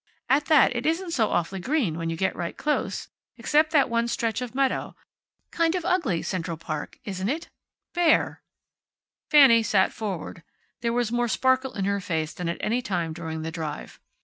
At that, it isn't so awfully green, when you get right close, except that one stretch of meadow. Kind of ugly, Central Park, isn't it? Bare." Fanny sat forward. There was more sparkle in her face than at any time during the drive.